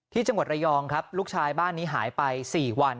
ที่จังหวัดระยองครับลูกชายบ้านนี้หายไป๔วัน